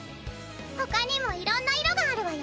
他にもいろんな色があるわよ！